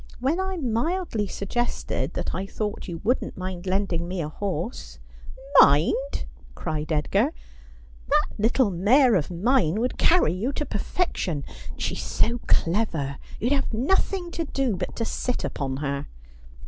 When I mildly suggested that I thought you wouldn't mind lending me a horse —'' Mind !' cried Edgar. ' That little mare of mine would carry you to perfection ; and she's so clever you'd have nothing to do but to sit upon her.'